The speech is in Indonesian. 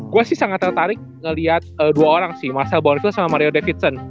gua sih sangat tertarik ngeliat dua orang sih marcel bonneville sama mario davidson